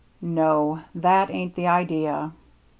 " No, that ain't the idea."